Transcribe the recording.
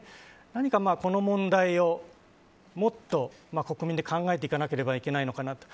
何かこの問題をもっと国民で考えていかなければいけないのかなと。